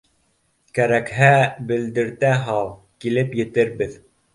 Кәрәкһә, белдертә һал, килеп етербеҙ